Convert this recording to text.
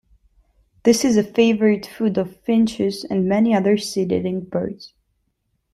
This is a favored food of finches and many other seed-eating birds.